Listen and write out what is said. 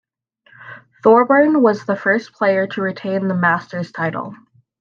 Thorburn was the first player to retain the Masters title.